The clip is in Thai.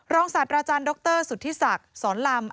รองศาสตร์รดรสุธิศักดิ์สอนลำ